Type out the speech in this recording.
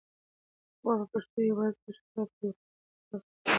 پخوا به پښتو یوازې په شفاهي او فولکلوریکو برخو ولاړه وه.